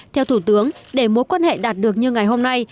theo thủ tướng để mối quan hệ đạt được như ngày hôm nay